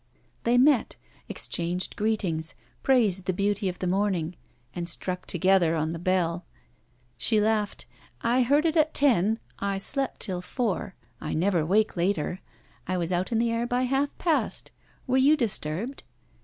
They met, exchanged greetings, praised the beauty of the morning, and struck together on the Bell. She laughed: 'I heard it at ten; I slept till four. I never wake later. I was out in the air by half past. Were you disturbed?'